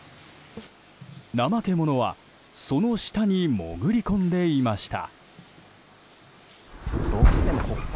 ナマケモノはその下に潜り込んでいました。